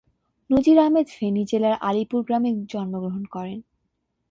নজির আহমেদ ফেনী জেলার আলিপুর গ্রামে জন্মগ্রহণ করেন।